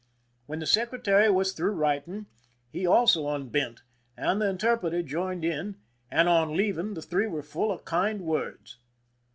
When the secretary was through writing, he also unbent, and the interpreter joined in, and on leaving the three were full of kind words.